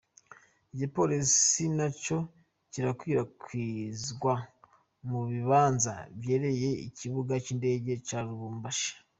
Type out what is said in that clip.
Igipolisi na co kirakwiragizwa mu bibanza vyegereye ikibuga c'indege, ca Lubumbashi.